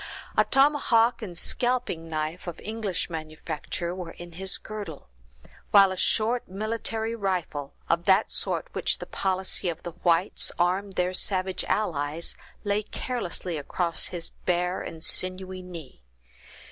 A tomahawk and scalping knife, of English manufacture, were in his girdle; while a short military rifle, of that sort with which the policy of the whites armed their savage allies, lay carelessly across his bare and sinewy knee.